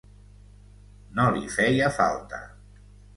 no li feia falta